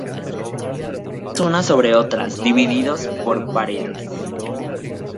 Losas unas sobre otras, divididos por paredes.